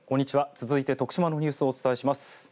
続いて徳島のニュースをお伝えします。